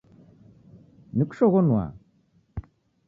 Nikushoghonua!